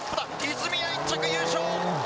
泉谷、１着、優勝。